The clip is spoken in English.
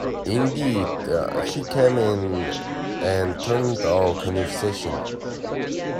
Indeed, he came in and turned our conversation.